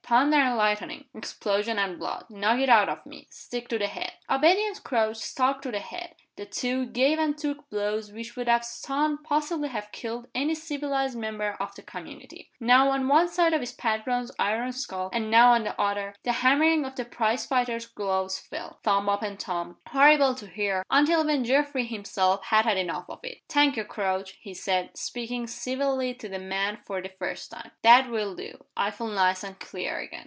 Thunder and lightning! explosion and blood! Knock it out of me! Stick to the head!" Obedient Crouch stuck to the head. The two gave and took blows which would have stunned possibly have killed any civilized member of the community. Now on one side of his patron's iron skull, and now on the other, the hammering of the prize fighter's gloves fell, thump upon thump, horrible to hear until even Geoffrey himself had had enough of it. "Thank you, Crouch," he said, speaking civilly to the man for the first time. "That will do. I feel nice and clear again."